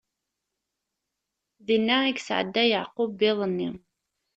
Dinna i yesɛedda Yeɛqub iḍ-nni.